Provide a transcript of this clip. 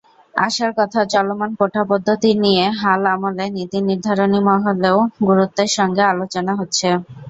আশার কথা, চলমান কোটাপদ্ধতি নিয়ে হাল আমলে নীতিনির্ধারণী মহলেও গুরুত্বের সঙ্গে আলোচনা হচ্ছে।